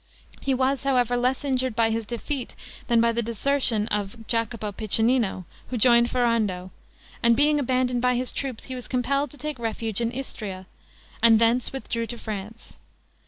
He was, however, less injured by his defeat than by the desertion of Jacopo Piccinino, who joined Ferrando; and, being abandoned by his troops, he was compelled to take refuge in Istria, and thence withdrew to France.